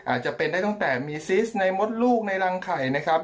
อาจจะเป็นได้ตั้งแต่มีซิสในมดลูกในรังไข่นะครับ